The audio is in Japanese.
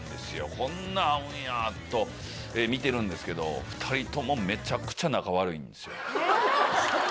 こんな合うんやと見てるんですけど、２人ともめちゃくちゃ仲悪いんですよ。